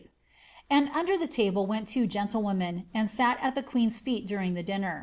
And under the table went two gentlewomen, and sat at the queen's feet during the dinna.